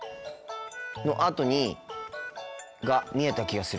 のあとにが見えた気がする。